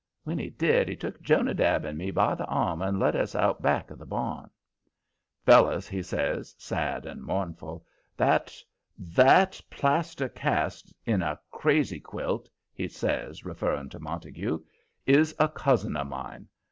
When he did he took Jonadab and me by the arm and led us out back of the barn. "Fellers," he says, sad and mournful, "that that plaster cast in a crazy quilt," he says, referring to Montague, "is a cousin of mine.